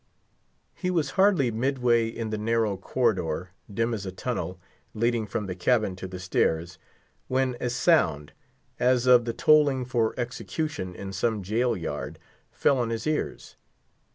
He was hardly midway in the narrow corridor, dim as a tunnel, leading from the cabin to the stairs, when a sound, as of the tolling for execution in some jail yard, fell on his ears.